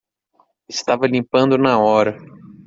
Estava limpando na hora